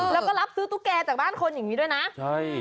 แล้วก็รับซื้อตุ๊กแก่จากบ้านคนอย่างนี้ด้วยนะใช่